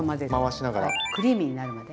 クリーミーになるまで。